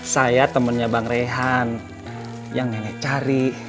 saya temennya bang rehan yang nenek cari